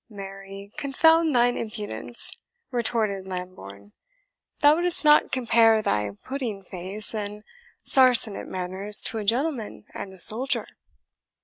"Marry confound thine impudence," retorted Lambourne; "thou wouldst not compare thy pudding face, and sarsenet manners, to a gentleman, and a soldier?"